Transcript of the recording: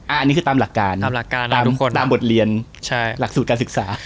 อันนี้คือตามหลักการตามบทเรียนหลักสูตรการศึกษา